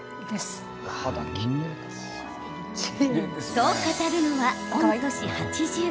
そう語るのは御年８０。